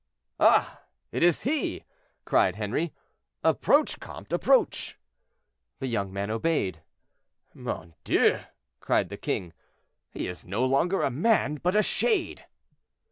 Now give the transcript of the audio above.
"Ah! it is he," cried Henri. "Approach, comte; approach." The young man obeyed. "Mon Dieu!" cried the king, "he is no longer a man, but a shade."